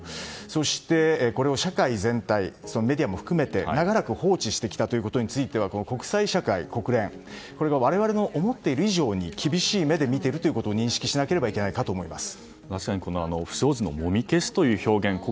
そして、これを社会全体メディアも含めて長らく放置してきたことについて国際社会、国連我々の思っている以上に厳しい目で見ていることを認識しなければいけないと思います。